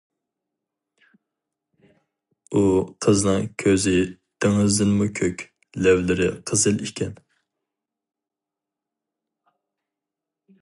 ئۇ قىزنىڭ كۆزى دېڭىزدىنمۇ كۆك، لەۋلىرى قىزىل ئىكەن.